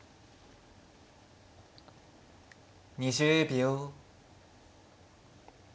２０秒。